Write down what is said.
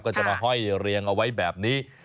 ก็จะมาห้อยเรียงเอาไว้แบบนี้